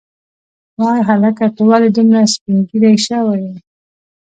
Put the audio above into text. وای هلکه ته ولې دومره سپینږیری شوی یې.